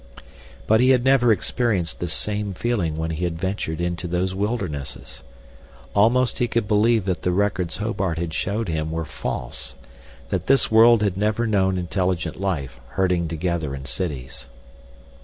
But he had never experienced this same feeling when he had ventured into those wildernesses. Almost he could believe that the records Hobart had showed him were false, that this world had never known intelligent life herding together in cities.